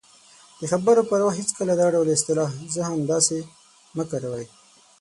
-د خبرو پر وخت هېڅکله دا ډول اصطلاح"زه هم همداسې" مه کاروئ :